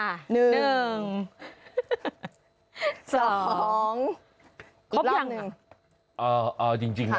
๑๒อีกรอบหนึ่งอ่าจริงนะ